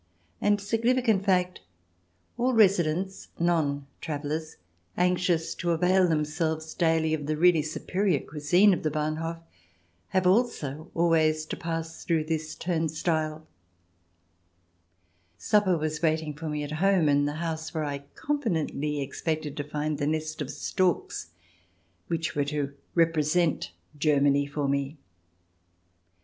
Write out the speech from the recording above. And, significant fact, all residents — non travellers, anxious to avail themselves daily of the really superior cuisine of the Bahnhof—AxdM^ also always to pass through this turnstile. CH. ii] HAREM SKIRTS 21 Supper was waiting for me at home in the house where I confidently expected to find the nest of storks which were to represent Germany for me.